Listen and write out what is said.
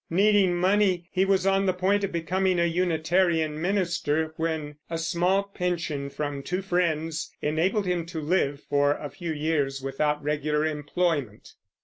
Needing money, he was on the point of becoming a Unitarian minister, when a small pension from two friends enabled him to live for a few years without regular employment.